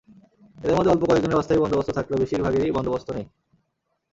এদের মধ্যে অল্প কয়েকজনের অস্থায়ী বন্দোবস্ত থাকলেও বেশির ভাগেরই বন্দোবস্ত নেই।